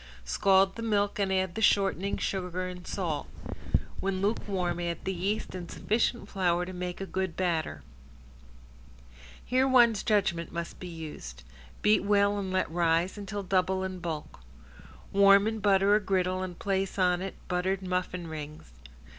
Scald the milk and add the shortening, sugar, and salt. When lukewarm add the yeast and sufficient flour to make a good batter. Here one's judgment must be used. Beat well and let rise until double in bulk. Warm and butter a griddle and place on it buttered muffin rings.